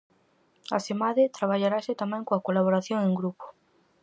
Asemade, traballarase tamén coa colaboración en grupo.